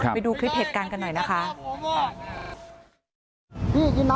ไม่รู้มันแปลกแล้วไม่รู้